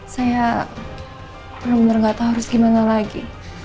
saya benar benar nggak tahu harus gimana lagi